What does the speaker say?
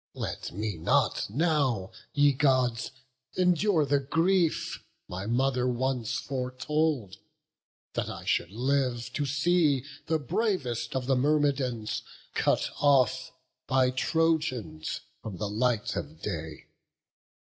Let me not now, ye Gods, endure the grief My mother once foretold, that I should live To see the bravest of the Myrmidons Cut off by Trojans from the light of day.